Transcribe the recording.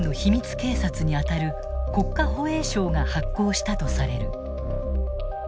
警察にあたる国家保衛省が発行したとされる。